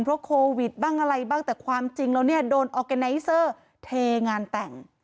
เพราะโควิดบ้างอะไรบ้างแต่ความจริงแล้วเนี่ยโดนออร์แกไนเซอร์เทงานแต่ง